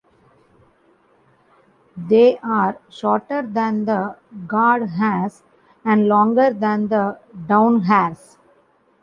They are shorter than the guard hairs and longer than the down hairs.